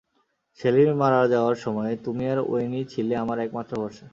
শেলীর মারা যাওয়ার সময়ে তুমি আর ওয়েনই ছিলে আমার একমাত্র ভরসা।